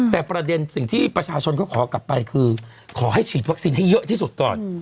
แต่ประเด็นสิ่งที่ประชาชนเขาขอกลับไปคือขอให้ฉีดวัคซีนให้เยอะที่สุดก่อน